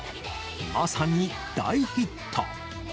まさに大ヒット。